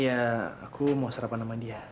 iya aku mau sarapan sama dia